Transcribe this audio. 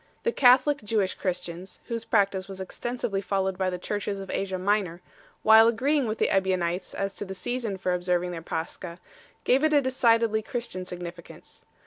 The Catholic Jewish Christians, whose practice was extensively followed by the Churches of Asia Minor, while agreeing with the Ebionites as to the season for observing their Pascha, gave it a decidedly Christian significance.